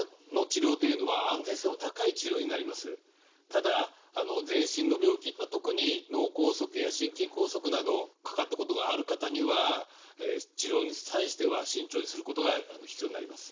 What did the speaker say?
ただ全身の病気特に脳梗塞や心筋梗塞などかかったことがある方には治療に際しては慎重にすることが必要になります。